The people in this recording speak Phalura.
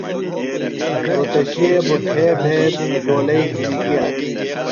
رھوتشے بُٹھے بھےۡ ڈولئی گِھنیۡ گِیہ۔